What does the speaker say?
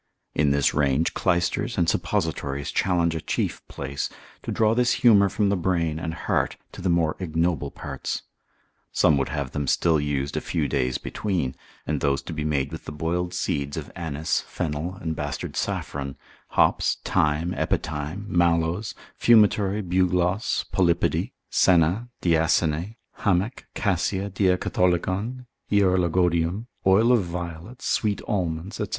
In this range, clysters and suppositories challenge a chief place, to draw this humour from the brain and heart, to the more ignoble parts. Some would have them still used a few days between, and those to be made with the boiled seeds of anise, fennel, and bastard saffron, hops, thyme, epithyme, mallows, fumitory, bugloss, polypody, senna, diasene, hamech, cassia, diacatholicon, hierologodium, oil of violets, sweet almonds, &c.